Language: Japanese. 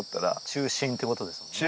中心ってことですもんね。